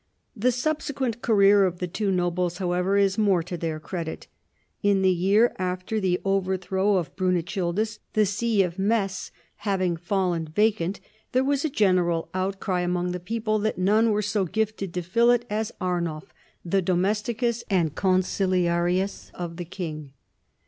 The sul)sequent career of the two nobles, however, is more to their credit. In the year after the overthrow of Brunechildis, the see of Metz 32 CHARLEMAGNE. having fallen vacant, there w^as a general outcry among tiie people that none was so fitted to fill it as Arnuir, the domesticus and co7isiliarius of the king.